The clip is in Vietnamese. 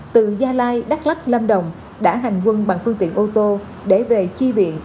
từ gia lai đắk lắc lâm đồng đã hành quân bằng phương tiện ô tô để về chi viện